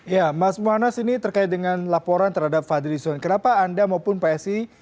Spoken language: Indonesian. ya mas muwanaz ini terkait dengan laporan terhadap fadli lizon kenapa anda maupun pak esi